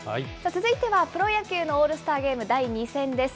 続いてはプロ野球のオールスターゲーム第２戦です。